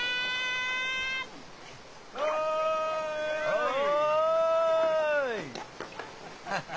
はい！